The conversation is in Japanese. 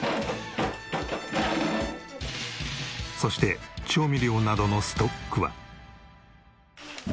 そして調味料などのストックは。